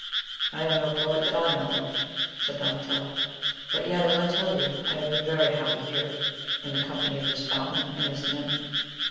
"I am no poet, that I know of," said Donatello, "but yet, as I tell you, I have been very happy here, in the company of this fountain and this nymph.